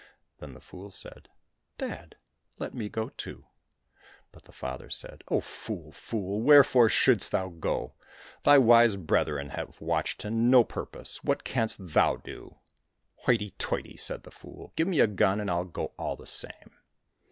Then the fool said, " Dad, let me go too !" But the father said, *' Oh, fool, fool, wherefore shouldst thou go ? Thy wise brethren have watched to no purpose, what canst thou do ?"—" Hoity toity !" said the fool ;" give me a gun, and I'll go all the same."